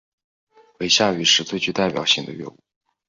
为夏禹时最具代表性的乐舞。